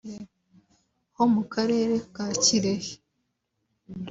ho mu karere ka Kirehe